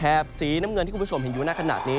แถบสีน้ำเงินที่คุณผู้ชมเห็นอยู่หน้าขนาดนี้